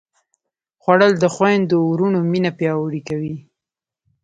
خوړل د خویندو وروڼو مینه پیاوړې کوي